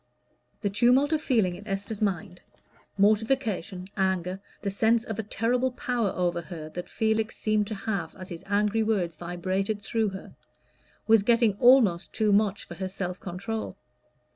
The tumult of feeling in Esther's mind mortification, anger, the sense of a terrible power over her that Felix seemed to have as his angry words vibrated through her was getting almost too much for her self control.